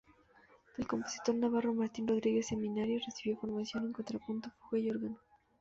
Del compositor navarro Martín Rodríguez Seminario recibió formación en contrapunto, fuga y órgano.